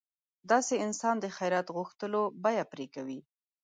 داسې انسان د خیرات غوښتلو بیه پرې کوي.